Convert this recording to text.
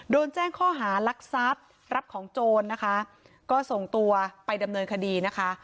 โดนแจ้งข้อหารักทรัพย์รับของโจรนะคะก็ส่งตัวไปดำเนินคดีนะคะ